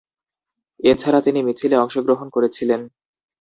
এছাড়া, তিনি মিছিলে অংশগ্রহণ করেছিলেন।